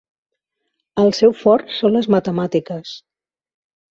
El seu fort són les matemàtiques.